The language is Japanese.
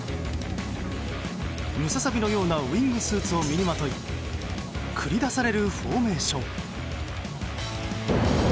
ムササビのようなウィングスーツを身にまとい繰り出されるフォーメーション。